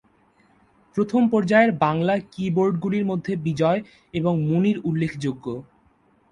প্রথম পর্যায়ের বাংলা কি-বোর্ডগুলির মধ্যে ‘বিজয়’ এবং ‘মুনীর’ উল্লেখযোগ্য।